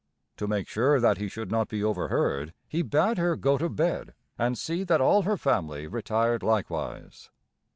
To make sure that he should not be overheard, he bade her go to bed, and see that all her family retired likewise.